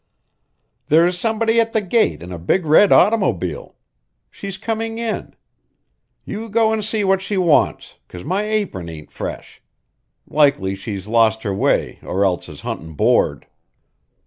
"There's somebody at the gate in a big red automobile. She's comin' in. You go an' see what she wants, 'cause my apron ain't fresh. Likely she's lost her way or else is huntin' board."